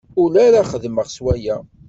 Ula ara xedmeɣ s waya.